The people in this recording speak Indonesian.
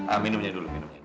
ah minumnya dulu